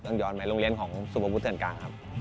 อังยอดหมายโรงเรียนของสุภพุทธกลางครับ